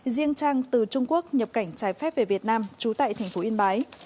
riêng trang từ trung quốc nhập cảnh trái phép về việt nam trú tại thành phố yên bái